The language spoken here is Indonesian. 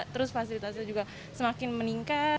terus fasilitasnya juga semakin meningkat